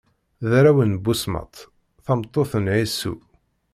D arraw n Busmat, tameṭṭut n Ɛisu.